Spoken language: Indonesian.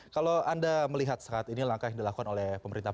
kalau anda melihat saat ini langkah yang dilakukan oleh pemerintah